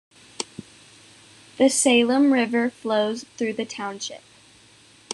The Salem River flows through the township.